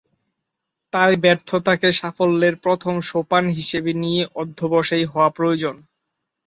তাই ব্যর্থতাকে সাফল্যের প্রথম সোপান হিসেবে নিয়ে অধ্যবসায়ী হওয়া প্রয়োজন।